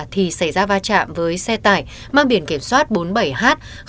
thì xảy ra va chạm với xe tải mang biển kiểm soát bốn mươi bảy h bốn nghìn hai trăm một mươi bảy